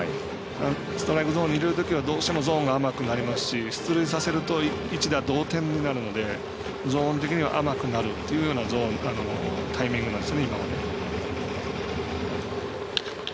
ストライクゾーンに入れるときはどうしてもゾーンが甘くなりますし出塁させると一打同点になるのでゾーン的には甘くなるというタイミングです。